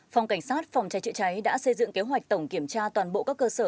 phòng cảnh sát phòng cháy chữa cháy đã xây dựng kế hoạch tổng kiểm tra toàn bộ các cơ sở